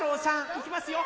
いきますよ！